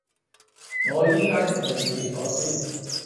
我而家要去廁所先